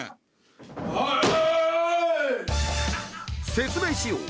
説明しよう！